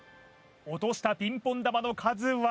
落としたピンポン球の数は